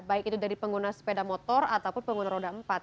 baik itu dari pengguna sepeda motor ataupun pengguna roda empat